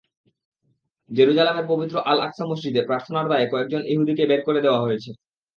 জেরুজালেমের পবিত্র আল-আকসা মসজিদে প্রার্থনার দায়ে কয়েকজন ইহুদিকে বের করে দেওয়া হয়েছে।